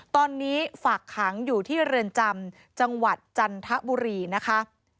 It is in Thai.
ตอนนี้ฝากขังอยู่ที่เรือนจำจังหวัดจันทบุรีนะคะ